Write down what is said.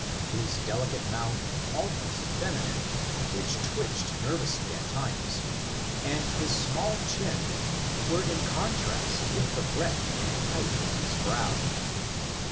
His delicate mouth, almost feminine, — which twitched nervously at times, — and the small chin, were in contrast wit}v the breadth and height of his brow.